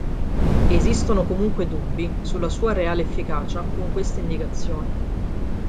Esistono comunque dubbi sulla sua reale efficacia con queste indicazioni.